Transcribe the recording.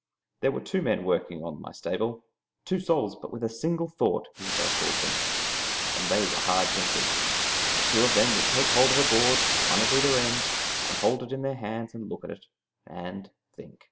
There were two men working on my stable "two souls with but a single thought," Isobel called them and they were hard thinkers. The two of them would take hold of a board, one at either end, and hold it in their hands, and look at it, and think.